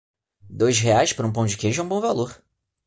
Dois reais por um pão de queijo é um bom valor